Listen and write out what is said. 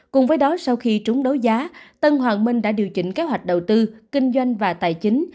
cùng với đó sau khi trúng đấu giá tân hoàng minh đã điều chỉnh kế hoạch đầu tư kinh doanh và tài chính